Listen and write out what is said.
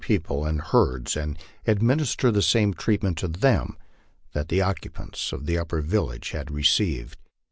people and herds ami administer the same treatment to them that che occu pants of the upper village had received.